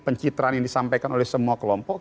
pencitraan yang disampaikan oleh semua kelompok